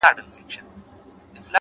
• ستا پر لوري د اسمان سترګي ړندې دي,